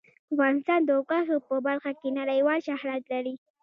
افغانستان د غوښې په برخه کې نړیوال شهرت لري.